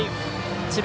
智弁